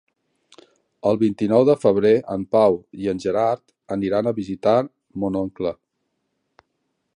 El vint-i-nou de febrer en Pau i en Gerard aniran a visitar mon oncle.